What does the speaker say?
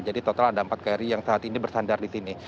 jadi total ada empat kri yang saat ini bersandar di sini